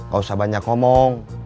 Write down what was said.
gak usah banyak ngomong